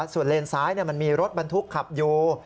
ส่วนเลนซ้ายมันมีรถบรรทุกขับอยู่